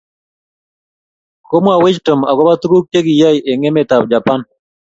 komwawech tom agoba tuguk chekiyai eng emetab Japan